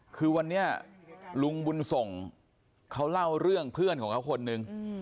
คือวันนี้ลุงบุญส่งเขาเล่าเรื่องเพื่อนของเขาคนนึง